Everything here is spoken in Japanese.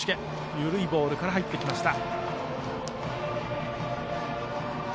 緩いボールから入ってきました。